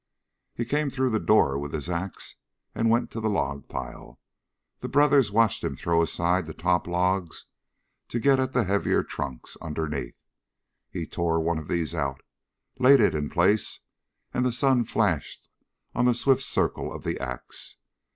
He came through the door with his ax and went to the log pile. The brothers watched him throw aside the top logs and get at the heavier trunks underneath. He tore one of these out, laid it in place, and the sun flashed on the swift circle of the ax.